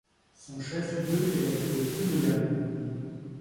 Son chef-lieu est la ville de Tunuyán.